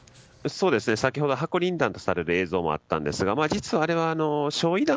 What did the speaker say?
先ほど、白リン弾とされる映像もあったんですけど実は、あれは焼夷弾。